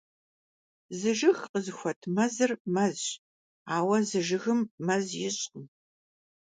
Зы жыг къызыхуэт мэзыр — мэзщ. Ауэ зы жыгым мэз ищӀкъым.